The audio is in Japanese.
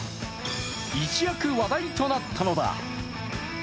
一躍、話題となったのだ。